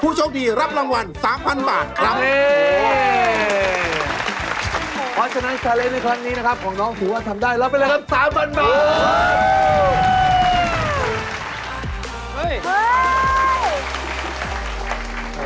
ออสเตอร์ไนท์สไลน์ในครั้งนี้นะครับของน้องสุวรรษทำได้แล้วเป็นอะไรครับ๓บันบาท